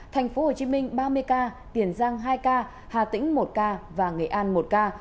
tp hcm ba mươi ca tiền giang hai ca hà tĩnh một ca và nghệ an một ca